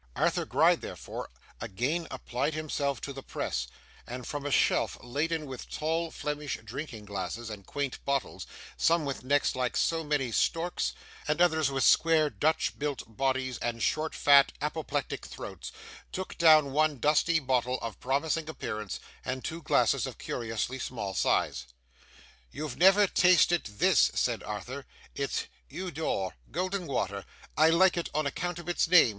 Arthur Gride, therefore, again applied himself to the press, and from a shelf laden with tall Flemish drinking glasses, and quaint bottles: some with necks like so many storks, and others with square Dutch built bodies and short fat apoplectic throats: took down one dusty bottle of promising appearance, and two glasses of curiously small size. 'You never tasted this,' said Arthur. 'It's EAU D'OR golden water. I like it on account of its name.